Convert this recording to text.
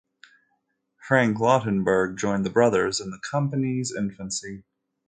Frank Lautenberg joined the brothers in the company's infancy.